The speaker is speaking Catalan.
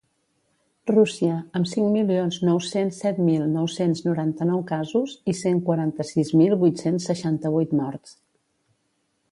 Rússia, amb cinc milions nou-cents set mil nou-cents noranta-nou casos i cent quaranta-sis mil vuit-cents seixanta-vuit morts.